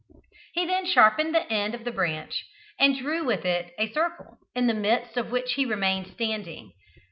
He then sharpened the end of the branch, and drew with it a circle, in the midst of which he remained standing.